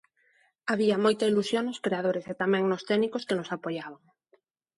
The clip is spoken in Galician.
Había moita ilusión nos creadores e tamén nos técnicos que nos apoiaban.